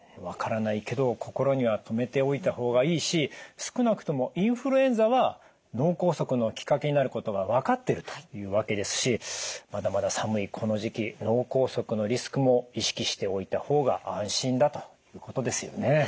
分からないけど心には留めておいた方がいいし少なくともインフルエンザは脳梗塞のきっかけになることが分かってるというわけですしまだまだ寒いこの時期脳梗塞のリスクも意識しておいた方が安心だということですよね。